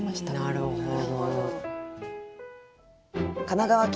なるほど。